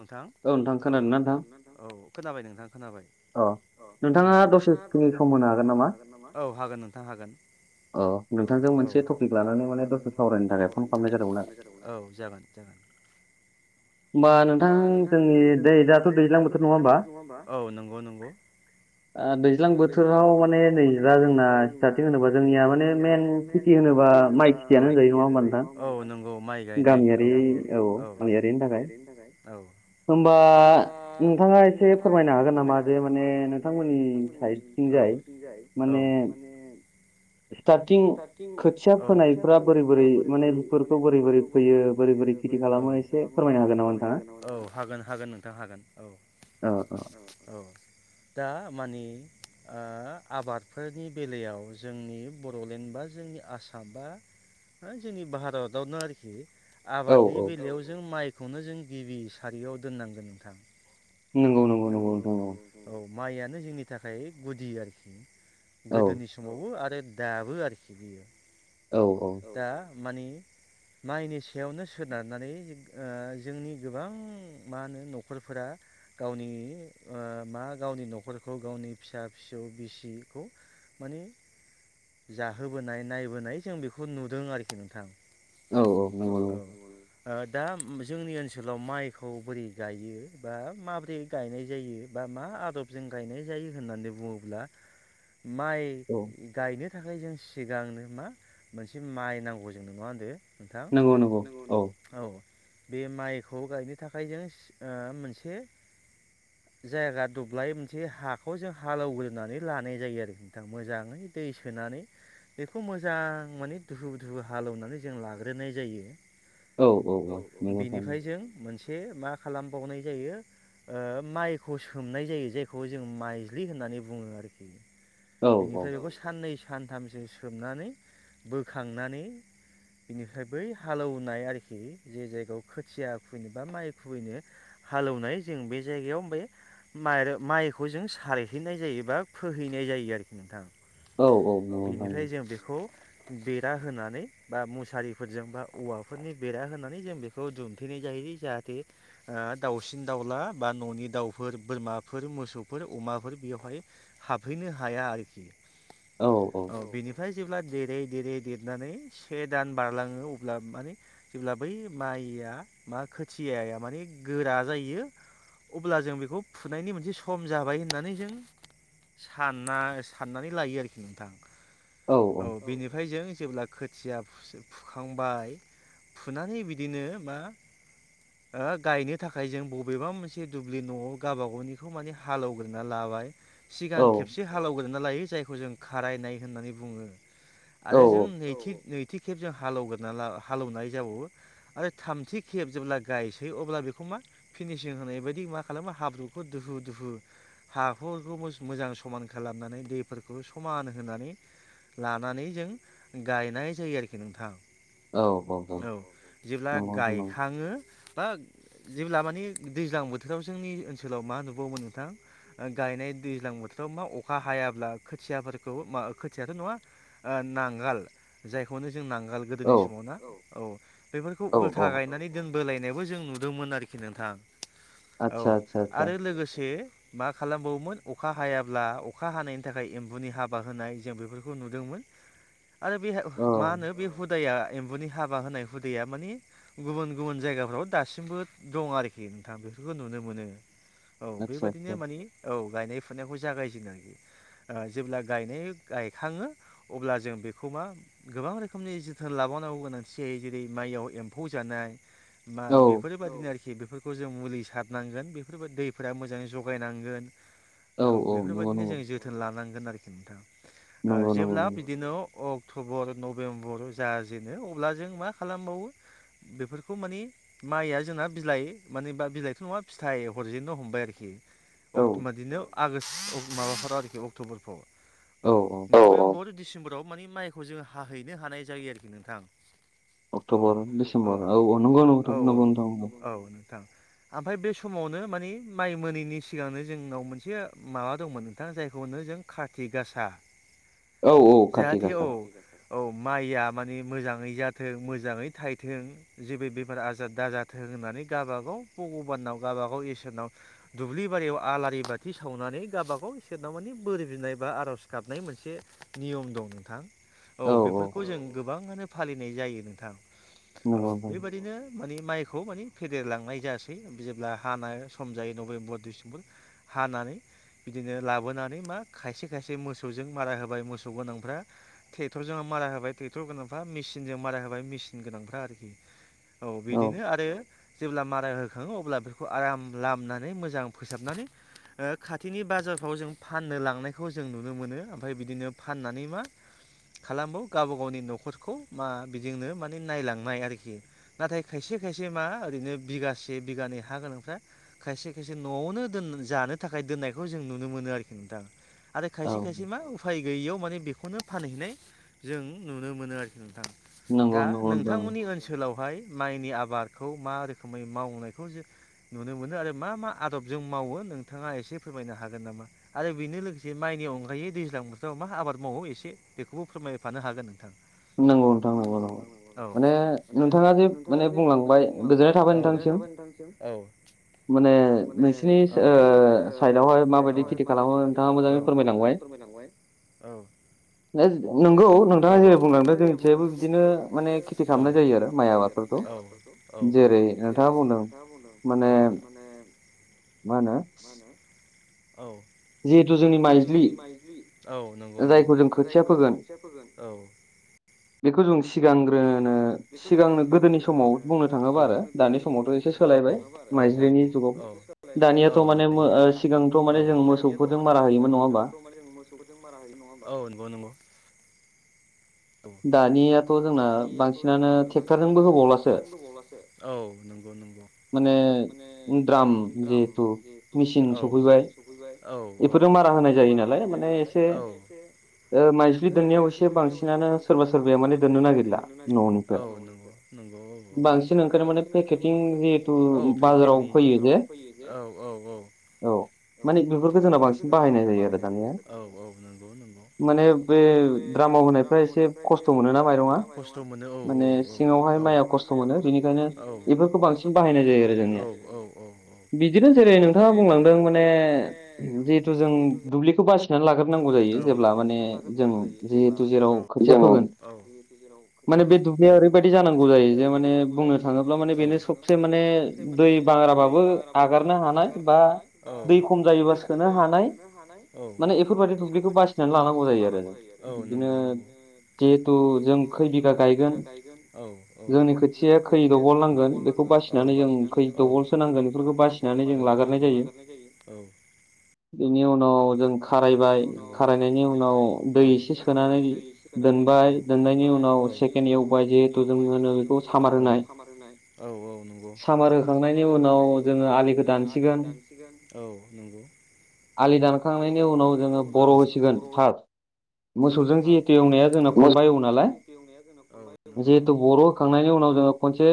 नोंथां औ नोंथां खोनादोंना नोंथां औ खोनाबाय नोंथां खोनाबाय औ हागोन नोंथां हागोन औ नोंथांजों मोनसे टपिक लानानै माने टपिक सावरायनो थाखाय फन खालामनाय जादोंमोन औ जागोन जागोन [inaudible] होमबा नोंथां जोंनि दै दाथ' दैज्लां बोथोर नङा होनोमबा औ नंगौ नंगौ। ओ दैज्लां बोथोराव माने नैजिबा जोंना स्टारटिं होनोबा जोंनिया माने मेन खेथि खेथि होनोबा ओमौ माय केटियानो होनजायो होनबा औ नंगौ गामियारि औ गामियारिनि थाखाय नि थाखाय औ होमबा नोंथाङा एसे फोरमायनो हागोन नामा जे माने नोंथांमोननि साइडथिं जाय माने [unintelligible] बिथिं खोथिया फोनायफ्रा बोरै बोरै माने बेफोरखौ बोरै बोरै फैयो बोरै बोरै खेथि खालामो एसे फोरमायनो हागोन नामा नोंथाङा औ हागोन हागोन नोंथां हागोन औ औ औ दा मानि ओ आबादफोरनि बेलायाव जोंनि बर' बड'लेण्ड बा जोंनि आसाम बा जोंनि भारतावनो आरोखि आबादनि बेलायाव जों माइखौनो जों गिबि सारियाव दोननांगोन नोंथां नंगौ नंगौ नंगौ नोंथां औ माइआनो जोंनि थाखाय गुदि आरोखि गोदोनि समावबो आरो दाबो आरोखि औ औ मानि माइनि सायावनो सोनारनानै ओ जोंनि गोबां मा होनो न'खरफोरा गावनि मा गावनि न'खरखौ गावनि फिसा फिसौ बिसिखौ माने जाहोबोनाय नायबोनाय जों बेखौ नुदों आरोखि नोंथां औ औ दा जोंनि ओनसोलाव माइखौ बोरै गायो बा मा दै गायनाय जायो बा मा आदबजों गायनाय जायो होननानै बुङोब्ला माइ गायनो बे थाखाय जों सिगांनो मा मोनसे माइ नांगौ जोंनो नङा होनदों नोंथाङ नंगौ नंगौ औ बे माइखौ गायनो थाखाय जों ओ मोनसे [inaudible] जायगा दब्लाय मोनसे हाखौ जों हालौवग्रोनानै लानाय जायो आरो नोंथां मोजाङै दै सोनानै बेखौ मोजां माने दुहु दुहु हालेवनानै जों लाग्रोनाय जायो औ औ औ नंगौ नोंथां [unintelligible] मा खालामबावनाय जायो ओ माइखौ सोमनाय जायो जायखौ जों माइज्लि होननानै बुङो आरोखि बिनिफ्राय बेखौ साननै सानथामसो सोमनानै बोखांनानै बिनिफ्राय बै हालेवनाय आरोखि जे जायगायाव खोथिया खुबैनो बा माइ खुबैनो हालौनाय जों बे जायगायाव आमफाय माइखौ जों सारहैनाय जायो बा फोहैनाय जायो आरोखि नोंथां बेनिफ्राय जों बेखौ बेरा होनानै बा मुसारिफोरजों बा औवाफोरनि बेरा होनानै जों बेखौ दुमथेनाय जायो [unintelligible] जाहाथे दावसिन दाउला बा न'नि दाउफोर बोरमाफोर मोसौफोर अमाफोर बेयावहाय हाबहैनो हाया [unintelligible] औ बेनिफ्राय जेब्ला देरै देरै देरनानै से दान बारलाङो अब्ला माने जेब्ला बै माइ मा खोथिया माने गोरा जायो अब्ला जों बेखौ फुनायनि मोनसे सम जाबाय होननानै जों सानना साननानै लायो आरोखि नोंथां औ बेनिफ्राय जों जेब्ला खोथिया फुखांबाय फुनानै बिदिनो मा ओ गायनो थाखाय जों बब बेबा मोनसे दुब्लि न'आव गावबााग गावनिखौ माने हालेवग्रोना लाबाय सिगां खेबसे हालौगोरना लायो जायखौ जों खारायनाय होननानै बुङो आरो जों नैथि नै थामथि खेब जों हालेवग्रोना हालौवनाय जाबावो आरो थामथि खेब जेब्ला गायसै अब्ला बेखौ मा फिनिसिं होनाय बायदि मा खालामो हाब्रुखौ दुहु दुहु हाफोरखौ मोजां समान खालामो गारनानै दैफोरखौ समान होनानै लानानै जों गायनाय जायो आरोखि नोंथां औ जेब्ला गायखाङो बा जेब्ला मान ने दैज्लां बोथोराव जोंनि ओनसोलाव मा नुबावोमोन नोंथां गायनाय दैज्लां बोथोराव मा अखा हायाब्ला खोथियाफोरखौ मा खोथियाथ' नङा नांगाल जायखौनो जों नांगाल गोदोनि समाव ना औ बेफोरखौ उल्था गायनानै दोनबोलायनायबो जों नुदोंमोन आरोखि नोंथां औ आरो लोगोसे मा खालामबावोमोन अखा हायाब्ला अखा हानायनि थाखाय एम्बुनि हाबा होनाय जों बेफोरखौ नुदोंमोन [inaudible] आरो बे मा होनो बे हुदाया एम्बुनि हाबा होनाय हुदाया माने गुबुन गुबुन जायगाफ्राव दासिमबो दं आरोखि नोंथाङा बेफोरखौ नुनो मोनो औ बेबायदिनो माने औ गायनाय फुनायखौ जागायजेनो आरोखि जेब्ला गायनाय गायखाङो अब्ला जों बेखौ गोबां रोखोमनि जोथोन लाबावांगौ गोनांथि जायो जेरै माइयाव एम्फौ जानाय बा बेफोरबायदिनो आरोखि बेफोरखौ जों मुलि सारनांगोन बेफोरबाय दैफोरा मोजाङै जगायनांगोन औ बेफोरबायदिनो जों जोथोन लानांगोन आरोखि नोंथा ओ जेब्ला बिदिनो अक्ट'बर नभेम्बर जाजेनो अब्ला जों मा खालामबावो बेफोरखौ माने माइआ जोंना बिलाइ मानेबा बिलाइथ' नङा फिथाइ हरजेननो हमबाय आरोखि दिनो आगस्ट माबाफोर आरोखि अक्ट'बरफ्राव औ सेम्बराव माने माइखौ जों हाहैनो हानाय जायो आरोखि नोंथां अक्ट'बर दिसेम्बर औ नंगौ नंगौ नोंथां नंगौ नोंथां औ नोंथां ओमफ्राय बे समावनो माने माइ मोनैनि सिगांनो जोंनाव मोनसे माबा दंमोन नोंथाङा जायखौ होनो जों खाथिगासा औ औ खाथिक गासा औ माइया माने मोजांङै जाथों मोजाङै थायथों जेबो बेमार आजार दाजाथों होननानै गावाबागाव भगबानाव गाबागाव इसोरनाव दुब्लि बारियाव आलारि बाथि सावनानै माने गाबागाव इसोरनाव माने बोर बिनाय बा आर'ज गाबनाय मोनसे नियम दं नोंथां औ बेफोरखौ जों गोबाङानो फालिनाय जायो नोंथां औ बेबादिनो माने माइ खौ माने फेदेरलांनाय जायासै जेब्ला हानाय सम जायो नभेम्बर डिसेम्बर हानानै बिदिनो लाबोनानै मा खायसे खायसे मोसौजों मारा होबाय मोसौ गोनांफ्रा ट्रेक्टरजों मारा होबाय ट्रेक्टर गोनां फोरा मिचिनजों मारा होबाय मिचिन गोनांफोरा आरोखि औ बिदिनो आ जेब्ला माराय होखांङो अब्ला बेखौ आराम लामनानै मोजां फोसाबनानै ओ खाथिनि बाजारफ्राव जों फाननो लांनायखौ जों नुनो मोनो ओमफ्राय बिदिनो फाननानै मा खालामबाव गावबा गावनि नखरखौ मा बिजोंनो माने नायलांनाय आरोखि नाथाय खायसे खायसे मा ओरैनो बिगासे बिगानै हा गोनांफ्रा खायसे खायसे नआवनो दोन जानो थाखाय दोन्नायखौ जों नुनो मोनो आरोखि नोंथां आरो खायसे खायसे मा उफाय गैयैयाव माने बेखौनो फानहैनाय जों नुनो मोनो आरोखि नोंथां दा नोंथांमोननि ओनसोलावहाय माइनि आबाद आबादखौ मा रोखोमै मावनायखौ जों नुनो मोनो आरो मा मा आदबजों मावो नोंथाङा एसे एसे फोरमायनो हागोन नामा आरो बेनो लोगोसे माइनि अनगायै दैज्लां बोथोराव मा आबाद मावो एसे बेखौबो फोरमायफानो हागोन नोंथां। नांगौ नोंथां नौ नौ माने नोंथाङा जे माने बुंला माने बुंलांबाय गोजोननाय थाबाय नोंथांसिम औ माने बिसिनि साइदआवहाय माबायदि खेथि खालामो बिथांङा मोजांङै फोरमाय बाय औ नंगौ नोंथांङा जेरेै बुंनांगोन फ्राय जोंनिथियाबबो बिदिनो माने खेथि खालामनाय जायो आरो माइ आबादफोरखौ औ जेरै नोंथाङा बुंदों औ माने मानो [inaudible] जिहेथु जोंनि माइज औ नंगौ नंगौ जायखौ जों खोथिया फोगोन औ बेखौ जों सिगांग्रो सिगांनो गोदोनि समाव बुंनो थांङोबा आरो दानि समावथ एसे सोलायबाय माइजनि ज दानियाथ' माने सिगांथ माने जों मोसौफोर माने सिगांथ' म जों मोसौखौ जों मारा होयो नङा औ नंगौ नंगौ औ दानियाथ जोंना बांसिनानो ट्रेक्टरजों दंबावबसो औ नंगौ नंगौ माने द्राम जिहुथु सौफैबाय औ औ बेफोरजों मारा होनाय जायो नालाय एसे ओ माइज्लि दोननायाव एसे बांसिनानो बांनानो सोरबा सोरबाया माने दोननो नागिरला औ बांसिन ओंखारनो माने औ पेकेटनि फयो औ औ औ औ माने बेफोरखौ जोंना बांसिन बाहायनाय जायो आरो दानिया माने बे द्रामाव होनाय फ्राय एसे ' खस्थ मोनो औ औ औ कस्ट मोनो बांसिन बाहायनाय जै बिदिनो जेरै नोंथाङा बुंलांदों माने जों दुब्लिखौ बासिनानै लाग्रोनांगौ जायो जेब्ला माने जों जिहेतु जेराव खोथिया फोगोन होगोन माने बे दुब्लिया ओरैबायाददि जानांगौ जायो जे माने बुंनो थांङोब्ला माने बेनो सबसे माने दै बा बाराबाबो आगारनो हानाय बा दै खम जायोबा सोनो हानाय औ बेफोरबायदि दुब्लिखौ बासिनानै लानांगौ जायो औ नंगौ नगौ। जिहेथु जों खै बिदा गायगोन औ औ जोंनि खोथिया थैदबल नांगोन औ औ औ औ [unintelligible] बिनि उनाव जों खारायबाय खारायनायनि उनाव दै एसे सोनानै औ औ औ औ सामार होखांनायनि उनाव जोङो आलिखौ दानसिगोन। आलि दानखांनायनि उनाव जोङो बर' होसिगोन फार्स्ट मोसौजों जि एवनाया जोंना खनबा एवो नालाय जिहेथु बर' होखांनायनि उनाव खनसे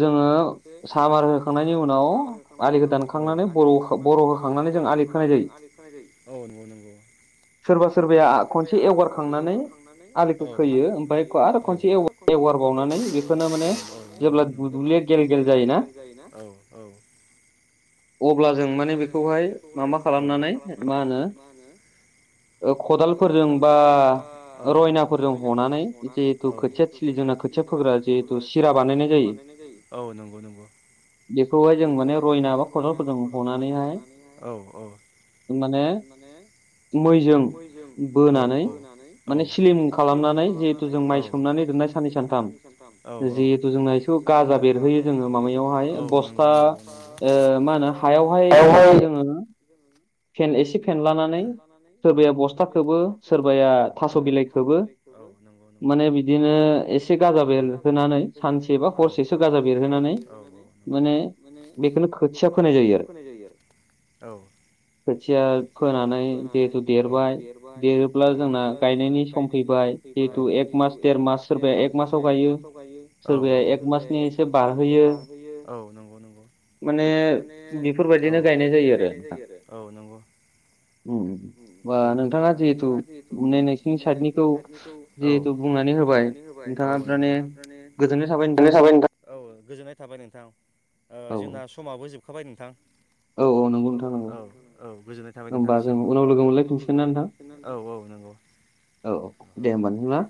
जोङो सामार होखांनायनि उनाव आलिखौ दानखांनानै औ नोंगौ नोंगौ। सोरबा सोरबाया खनसे एवगारखां औ औ औ औ नंगौ नंगौ औ औ। औ ओ खदालफोरजों बा रयनाफोरजों हनानै जिहेथु खोथिया थिलि जोंना खोथिया फोग्रा जिहेथु सिरा बानायनाय जायो औ नंगौ नंगौ। बेखौहाय जों माने रयना बा खदालफोरजों हनानैहाय माने मैजों बोनानै औ औ औ औ [unintelligible] [unintelligible] औ औ सोरबाया थास' बिलाइ खोबो माने बिदिनो एसे गाजा बेरहोनानै औ औ औ नंगौ। औ थिया फोनानै जिहेथु देरबाय देरो बा जोंना गायनायनि सम फैबाय जिहेथु एक मास देर मास सोरबाया एक मासाव गायो। औ औ औ नंगौ नंगौ। माने बेफोरबायदिनो गायनाय जायो आरो नोंथां। उम उम औ औ नंगौ। गोजोननाय थाबाय नोंथां। ओ जोंना समाबो जोबखाबाय नोंथां औ औ। गोजोननाय थाबाय नोंथांनिसिम औ औ। औ औ दे होमबा नोंथां ना?